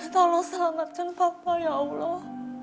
tolong selamatkan papua ya allah